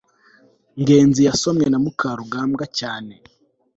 ngenzi yasomwe na mukarugambwa cyane